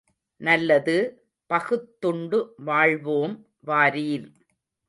நல்லது, பகுத்துண்டு வாழ்வோம் வாரீர்.